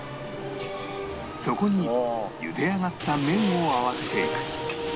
そこに茹で上がった麺を合わせていく